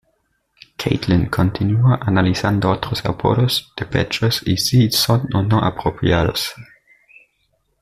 Caitlin continúa analizando otros apodos de pechos y si son o no apropiados.